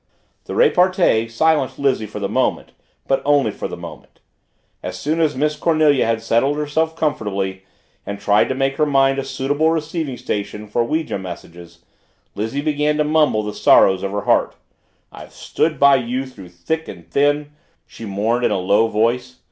The repartee silenced Lizzie for the moment, but only for the moment. As soon as Miss Cornelia had settled herself comfortably and tried to make her mind a suitable receiving station for ouija messages, Lizzie began to mumble the sorrows of her heart. "I've stood by you through thick and thin," she mourned in a low voice.